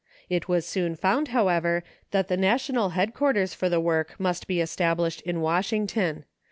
It was soon found, however, that the national headquarters for the work must be established in Washington.